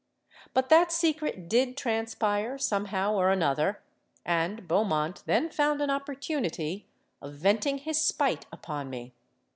But that secret did transpire somehow or another; and Beaumont then found an opportunity of venting his spite upon me.